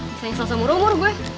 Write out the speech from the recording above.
misalnya selesai umur gue